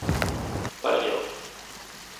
빨리요!